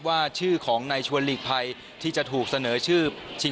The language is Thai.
ว่าชื่อของนายชวนหลีกภัยที่จะถูกเสนอชื่อชิง